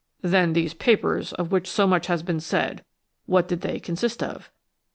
"Then these papers of which so much has been said–what did they consist of?"